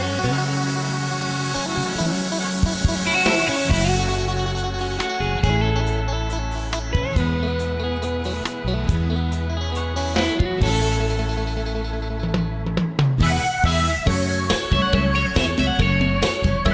จะมาถึงเพลงนี้แล้วอุ้ย๕๘๐๐๐๐บาทให้ดีนะครับ